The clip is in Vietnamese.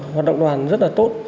hoạt động đoàn rất là tốt